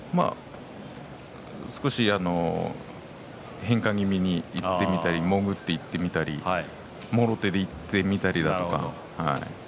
少し変化気味にいってみたりに潜っていってみたりもろ手でいってみたりとか。